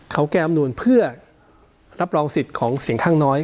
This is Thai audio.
เขาแก้อำนวนเพื่อรับรองสิทธิ์ของเสียงข้างน้อย